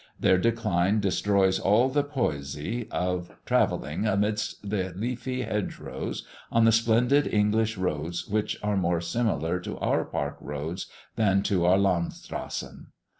Their decline destroys all the poesy of travelling amidst the leafy hedge rows on the splendid English roads, which are more similar to our park roads than to our "Landstrassen."